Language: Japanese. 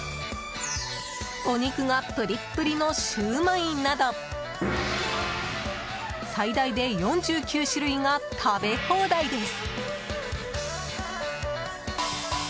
お肉がプリップリのシューマイなど最大で４９種類が食べ放題です。